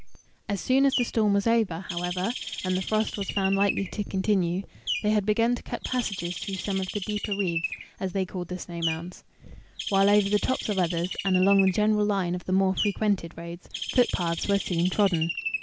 As soon as the storm was over, however, and the frost was found likely to continue, they had begun to cut passages through some of the deeper wreaths, as they called the snow mounds; while over the tops of others, and along the general line of the more frequented roads, footpaths were soon trodden.